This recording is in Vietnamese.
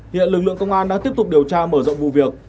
hiện lực lượng công an đang tiếp tục điều tra mở rộng vụ việc